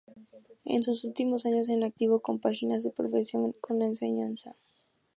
En sus últimos años en activo compagina su profesión con la enseñanza.